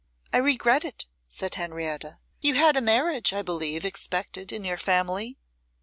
'I regret it,' said Henrietta. 'You had a marriage, I believe, expected in your family?